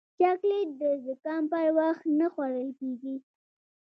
چاکلېټ د زکام پر وخت نه خوړل کېږي.